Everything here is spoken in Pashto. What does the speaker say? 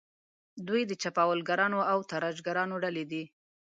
دوی د چپاولګرانو او تاراجګرانو ډلې دي.